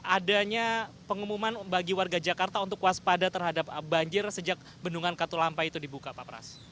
adanya pengumuman bagi warga jakarta untuk waspada terhadap banjir sejak bendungan katulampa itu dibuka pak pras